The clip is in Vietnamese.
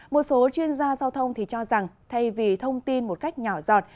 một số chuyên gia giao thông cho rằng thay vì thông tin một cách nhỏ dọt